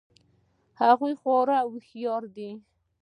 هغوی خورا هوښیار دي